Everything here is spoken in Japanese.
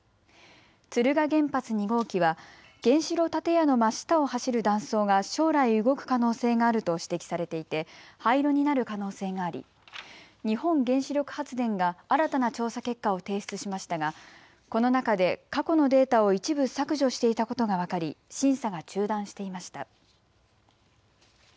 敦賀原発２号機は原子炉建屋の真下を走る断層が将来、動く可能性があると指摘されていて廃炉になる可能性があり日本原子力発電が新たな調査結果を提出しましたがこの中で過去のデータを一部削除していたことが分かり、審査が中断していました。